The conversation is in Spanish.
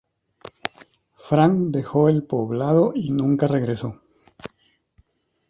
Frank dejó el poblado y nunca regresó.